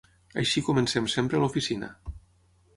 Així comencem sempre a l'oficina.